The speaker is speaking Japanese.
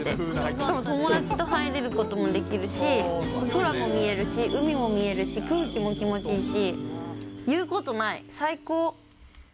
しかも友達と入れることもできるし、空も見えるし、海も見えるし、空気も気持ちいいし、言うことない、最高！